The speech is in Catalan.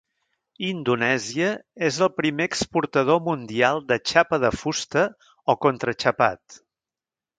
Indonèsia és el primer exportador mundial de xapa de fusta o contraxapat.